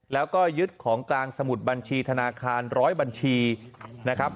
แล้วก็ยึดของกลางสมุดบัญชีธนาคาร๑๐๐บัญชีนะครับ